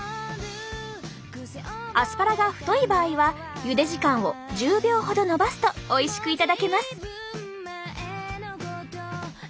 アスパラが太い場合はゆで時間を１０秒ほど延ばすとおいしく頂けます。